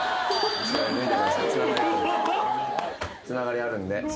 つながりあるんで。